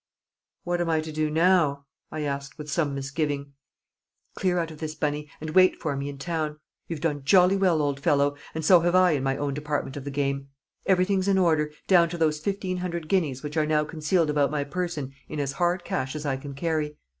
"What am I to do now?" I asked with some misgiving. "Clear out of this, Bunny, and wait for me in town. You've done jolly well, old fellow, and so have I in my own department of the game. Everything's in order, down to those fifteen hundred guineas which are now concealed about my person in as hard cash as I can carry.